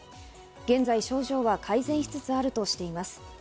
現在、症状は改善しつつあるとしています。